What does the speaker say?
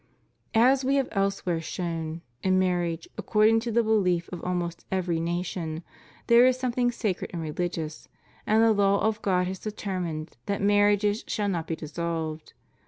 As We have elsewhere shown, in marriage, according to the belief of almost every nation, there is something sacred and religious; and the law of God has determined that marriages shall not be dissolved.